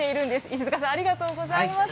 石塚さん、ありがとうございます。